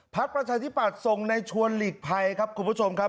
ประชาธิปัตย์ส่งในชวนหลีกภัยครับคุณผู้ชมครับ